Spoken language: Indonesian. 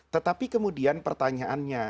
tetapi kemudian pertanyaannya